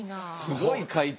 すごい解答。